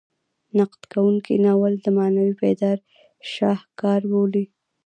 نقد کوونکي ناول د معنوي بیدارۍ شاهکار بولي.